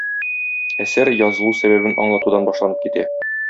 Әсәр язылу сәбәбен аңлатудан башланып китә.